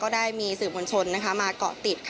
ได้มีสื่อมวลชนมาเกาะติด